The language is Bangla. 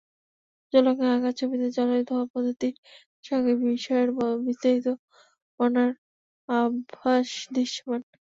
জলরঙে আঁকা ছবিতে জলের ধোয়া পদ্ধতির সঙ্গে বিষয়ের বিস্তারিত বর্ণনার অভ্যাস দৃশ্যমান।